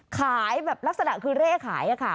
ขายแบบลักษณะคือเร่ขายค่ะ